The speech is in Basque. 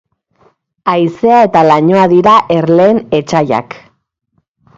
Haizea eta lainoa dira erleen etsaiak.